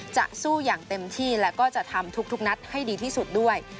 จะสู้อย่างเต็มที่และก็จะทำทุกนัดให้ดีที่สุดด้วย